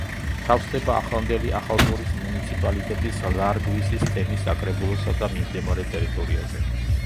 თავსდება ახლანდელი ახალგორის მუნიციპალიტეტის ლარგვისის თემის საკრებულოსა და მიმდებარე ტერიტორიაზე.